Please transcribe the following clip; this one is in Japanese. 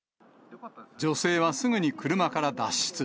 女性はすぐに車から脱出。